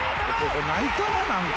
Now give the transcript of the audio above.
ここ泣いたねなんか。